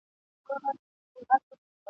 چي کرۍ ورځ یې په سرو اوښکو تیریږي ..